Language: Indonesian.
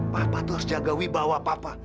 bapak tuh harus jaga wibawa papa